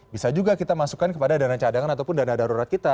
bisa juga kita masukkan kepada dana cadangan ataupun dana darurat kita